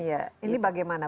iya ini bagaimana